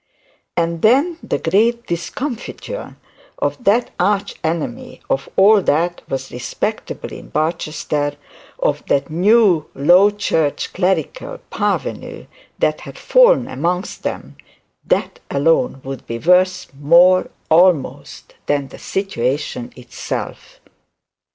And then the great discomfiture of that arch enemy of all that was respectable in Barchester, of that new low church clerical parvenu that had fallen amongst them, that alone would be worth more, almost than the situation itself.